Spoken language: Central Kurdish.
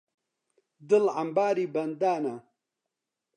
دڵ عەمباری بەندانە